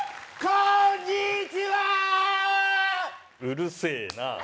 うるせえなあ